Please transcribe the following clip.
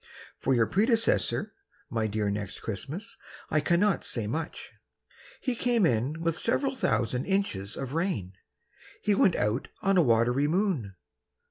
For your predecessor, My dear Next Christmas, I cannot say much. He came in with several thousand inches of rain; He went out on a watery moon.